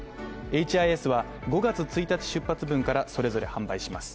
エイチ・アイ・エスは５月１日出発分からそれぞれ販売します。